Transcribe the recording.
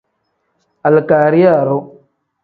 Alikariya iru.